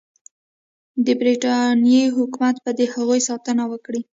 د برټانیې حکومت به د هغوی ساتنه وکړي.